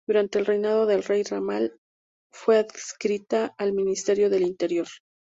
Durante el reinado del rey Rama I, fue adscrita al Ministerio del Interior.